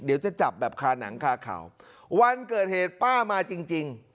เดี๋ยวจะจับแบบคาหนังคาข่าววันเกิดเหตุป้ามาจริงจริง